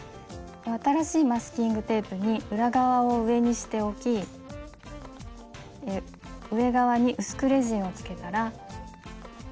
新しいマスキングテープに裏側を上にして置き上側に薄くレジンをつけたらそこに丸プレートを置きます。